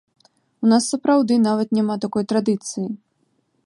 У нас сапраўды нават няма такой традыцыі.